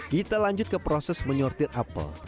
kita lanjut ke proses menyortir apel